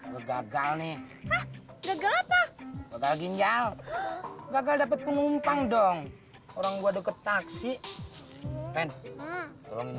gagal nih gagal apa gagal ginjal gagal dapet penumpang dong orang gua deket taksi pen tolong